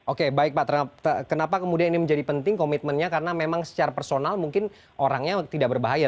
oke baik pak kenapa kemudian ini menjadi penting komitmennya karena memang secara personal mungkin orangnya tidak berbahaya